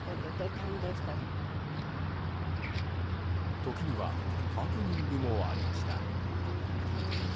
時にはハプニングもありました。